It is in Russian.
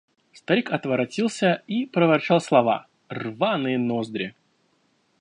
Старик отворотился и проворчал слова: «Рваные ноздри!»…